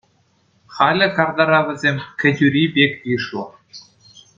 Халӗ картара вӗсем кӗтӳри пек йышлӑ.